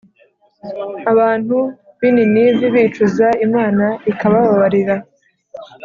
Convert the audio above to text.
abantu b’i ninivi bicuza, imana ikabababarira